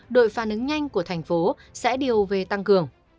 đội phản ứng nhanh của thành phố sẽ điều về tăng cường